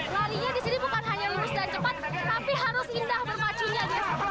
larinya disini bukan hanya lurus dan cepat tapi harus indah bermacunya